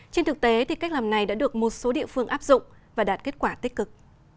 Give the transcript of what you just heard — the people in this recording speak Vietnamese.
trên thực tế cách làm này đã được một số địa phương áp dụng và đạt kết quả tích cực